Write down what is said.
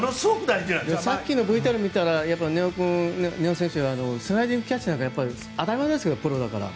さっきのＶＴＲを見たら根尾選手がスライディングキャッチなんて当たり前ですけどプロだから。